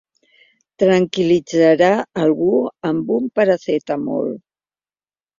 Tranquil·litzarà algú amb un Paracetamol.